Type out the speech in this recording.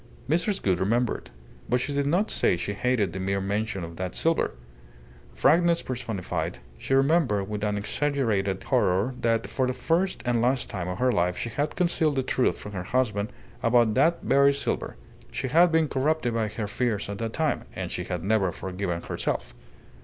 Mrs. Gould remembered. But she did not say she hated the mere mention of that silver. Frankness personified, she remembered with an exaggerated horror that for the first and last time of her life she had concealed the truth from her husband about that very silver. She had been corrupted by her fears at that time, and she had never forgiven herself.